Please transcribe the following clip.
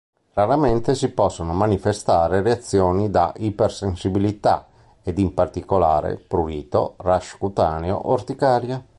Raramente si possono manifestare reazioni da ipersensibilità ed in particolare prurito, rash cutaneo, orticaria.